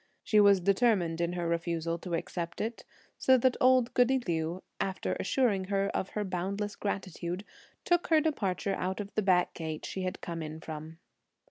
She was determined in her refusal to accept it, so that old goody Liu, after assuring her of her boundless gratitude, took her departure out of the back gate she had come in from.